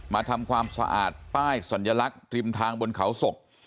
มาทำความสะอาดป้ายสัญลักษณ์ริมทางบนเขาศก